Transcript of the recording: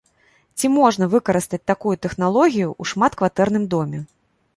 Ці можна выкарыстаць такую тэхналогію ў шматкватэрным доме?